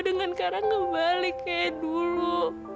dengan kak rangga balik kayak dulu